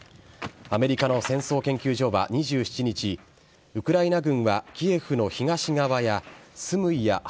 アメリカの戦争研究所は２７日、ウクライナ軍はキエフの東側やスムイや